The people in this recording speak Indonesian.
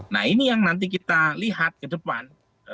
nah ini yang nanti kita lihat ke depan